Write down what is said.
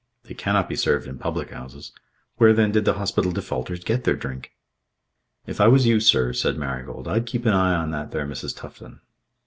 They cannot be served in public houses. Where, then, did the hospital defaulters get their drink? "If I was you, sir," said Marigold, "I'd keep an eye on that there Mrs. Tufton."